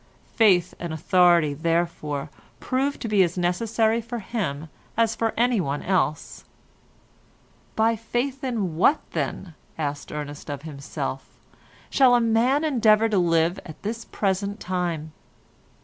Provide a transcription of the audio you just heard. Faith and authority, therefore, prove to be as necessary for him as for anyone else. "By faith in what, then," asked Ernest of himself, "shall a just man endeavour to live at this present time?"